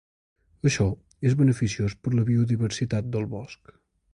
Això és beneficiós per a la biodiversitat del bosc.